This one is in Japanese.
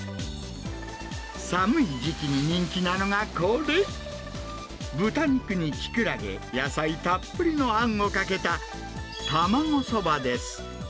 寒い時期に人気なのがこれ、豚肉にキクラゲ、野菜たっぷりのあんをかけた卵そばです。